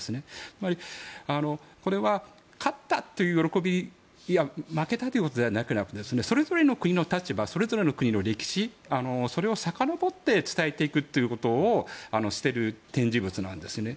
つまり、これは勝ったという喜びや負けたということではなくそれぞれの国の立場それぞれの国の歴史それをさかのぼって伝えていくということをしている展示物なんですね。